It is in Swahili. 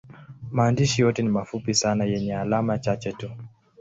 Maandishi yote ni mafupi sana yenye alama chache tu.